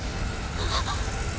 あっ。